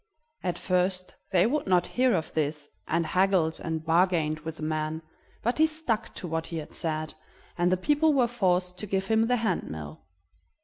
At first they would not hear of this, and haggled and bargained with the man, but he stuck to what he had said, and the people were forced to give him the hand mill.